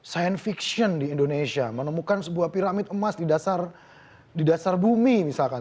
science fiction di indonesia menemukan sebuah piramid emas di dasar bumi misalkan